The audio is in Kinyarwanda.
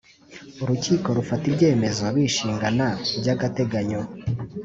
Urukiko rufata ibyemezo bishingana by’agateganyo